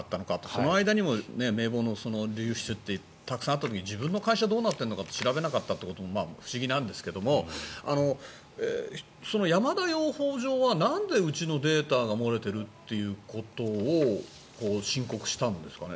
その間も名簿の流出ってたくさんあったのに自分の会社がどうなっているか調べなかったのかと不思議なんですが山田養蜂場は、なんでうちのデータが漏れているということを申告したんですかね？